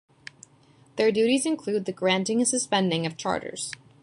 Their duties include the granting and suspending of charters.